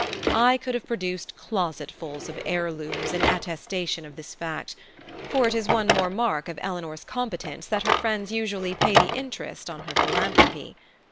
I could have produced closetfuls of "heirlooms" in attestation of this fact; for it is one more mark of Eleanor's competence that her friends usually pay the interest on her philanthropy.